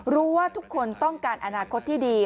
รู้ว่าทุกคนต้องการอนาคตที่ดี